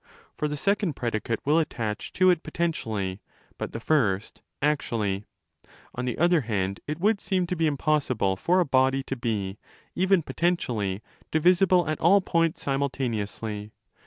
For the second predicate will attach to it potentially, but the first actually. On the other hand, it would seem to be impossible for a body to be, even potentially, divisible at all points simultaneously.